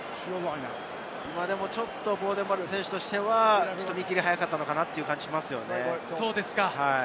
ちょっとボーデン・バレット選手としては見切りが早かったのかなという感じがしますね。